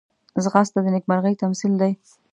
ځغاسته د نېکمرغۍ تمثیل دی